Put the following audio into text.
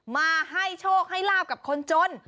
มาให้โชคให้ลาบกับคนจน